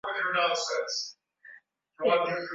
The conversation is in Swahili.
Mto Nile ndio mrefu zaidi ulimwenguni Mti